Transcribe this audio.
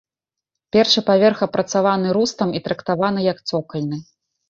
Першы паверх апрацаваны рустам і трактаваны як цокальны.